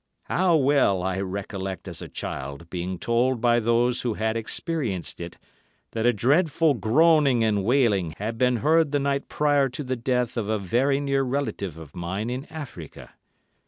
"How well I recollect as a child being told by those who had experienced it, that a dreadful groaning and wailing had been heard the night prior to the death of a very near relative of mine in Africa.